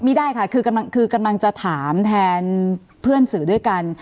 ไม่ได้ค่ะคือกำลังจะถามแทนเพื่อนสื่อด้วยกัน